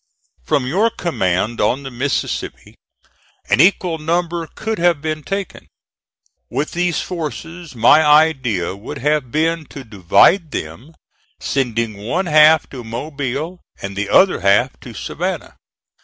From your command on the Mississippi an equal number could have been taken. With these forces my idea would have been to divide them, sending one half to Mobile and the other half to Savannah.